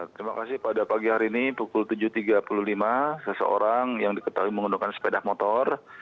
terima kasih pada pagi hari ini pukul tujuh tiga puluh lima seseorang yang diketahui menggunakan sepeda motor